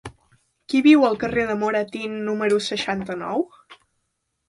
Qui viu al carrer de Moratín número seixanta-nou?